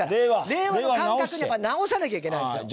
令和の感覚に直さなきゃいけないんですよ。